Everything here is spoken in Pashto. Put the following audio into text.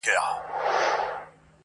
• سپوږمۍ هغې ته په زاریو ویل _